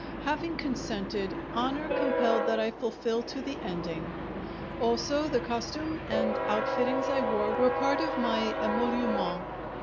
Having consented, honour compelled that I fulfil to the ending. Also, the costume and outfittings I wore were part of my emolument.